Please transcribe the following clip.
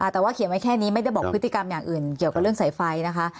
แต่ว่าเขียนไว้แค่นี้ไม่ได้บอกพฤติกรรมอย่างอื่นเกี่ยวกับเรื่องสายไฟนะคะ